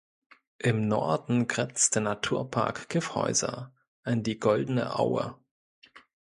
Im Norden grenzt der Naturpark Kyffhäuser an die Goldene Aue.